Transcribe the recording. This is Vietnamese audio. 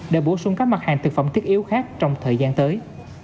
để bổ sung các mặt hàng thực phẩm thiết yếu khác trong thời gian tới